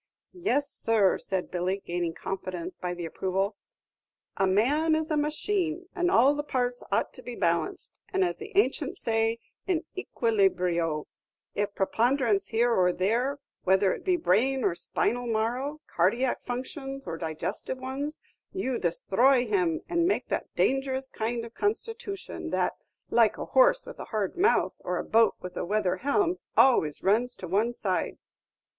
"Yes, sir," said Billy, gaining confidence by the approval; "a man is a ma chine, and all the parts ought to be balanced, and, as the ancients say, in equilibrio. If preponderance here or there, whether it be brain or spinal marrow, cardiac functions or digestive ones, you disthroy him, and make that dangerous kind of constitution that, like a horse with a hard mouth, or a boat with a weather helm, always runs to one side."